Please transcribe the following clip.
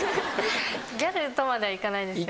ギャルとまではいかないですけど。